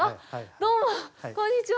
どうも、こんにちは。